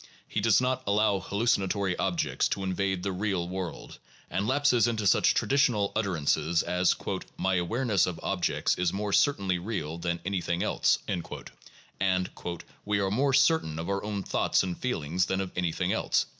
He does not allow hallucinatory objects to invade the "real" world, and lapses into such traditional utterances as "my awareness of objects is more certainly real than anything else" (p. 269), and "we are more cer tain of our own thoughts and feelings than of anything else" (p.